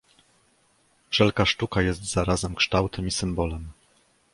Wszelka sztuka jest zarazem kształtem i symbolem.